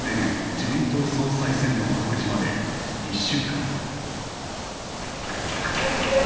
自民党総裁選の告示まで１週間。